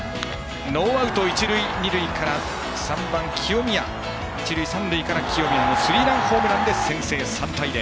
ノーアウト、一塁三塁から３番、清宮のスリーランホームランで先制３対０。